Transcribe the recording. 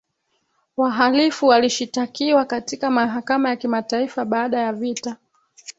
wahalifu walishitakiwa katika mahakama ya kimataifa baada ya vita